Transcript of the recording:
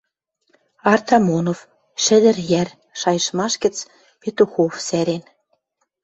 Артамонов, «Шӹдӹр йӓр» шайыштмаш гӹц, Петухов сӓрен.